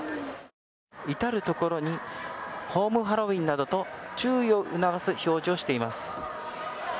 至る所にホームハロウィーンなどと注意を促す表示をしています。